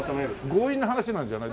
強引な話なんじゃない？